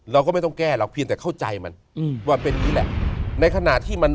เราก็ไม่ต้องแก้หรอกเพียงแต่เข้าใจมันอืมว่าเป็นอย่างนี้แหละในขณะที่มัน